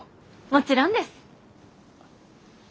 もちろんです。